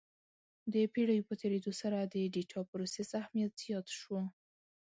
د پېړیو په تېرېدو سره د ډیټا پروسس اهمیت زیات شو.